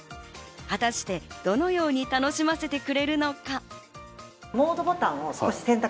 果たしてどのように楽しませてくれるのか？